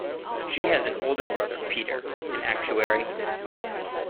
She has an older brother Peter, an actuary.